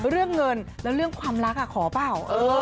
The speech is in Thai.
เรื่องเงินแล้วเรื่องความรักขอเปล่า